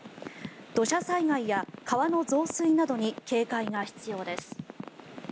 土砂災害や川の増水などに警戒が必要です。